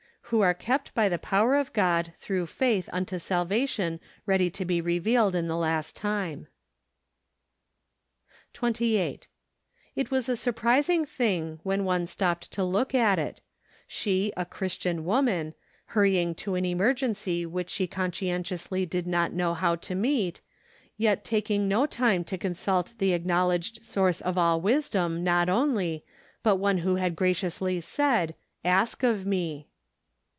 TT7«o are kept by the power of God through faith unto salvation ready to be revealed in the last time." OCTOBER. 121 2S. It was a surprising thing when one stopped to look at it; she, a Christian woman, hurrying to an emergency which she consciously did not know how to meet, yet taking no time to consult the acknowl¬ edged Source of all wisdom, not only, but One who had graciously said, " Ask of me."